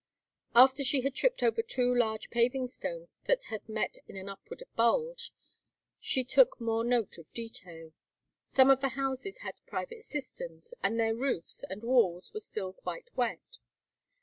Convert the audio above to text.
After she had tripped over two large paving stones that had met in an upward bulge, she took more note of detail. Some of the houses had private cisterns, and their roofs and walls were still quite wet.